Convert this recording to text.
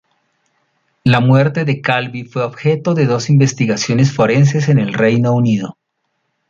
La muerte de Calvi fue objeto de dos investigaciones forenses en el Reino Unido.